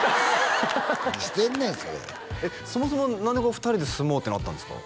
何してんねんそれそもそも何で２人で住もうってなったんですか？